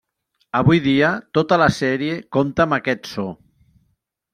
Avui dia, tota la sèrie compta amb aquest so.